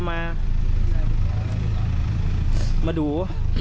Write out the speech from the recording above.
มาดู